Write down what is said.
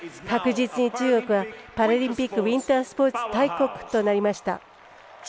確実に中国はパラリンピックウインタースポーツ大国となりました。